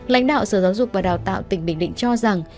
lãnh đạo sở giáo dục và đào tạo tỉnh bình định cho rằng